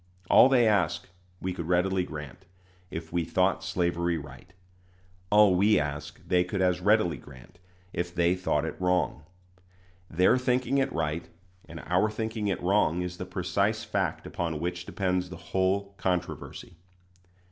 All they ask we could readily grant, if we thought slavery right; all we ask they could as readily grant, if they thought it wrong. Their thinking it right and our thinking it wrong is the precise fact upon which depends the whole controversy.